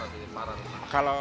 kalau di parlimpiade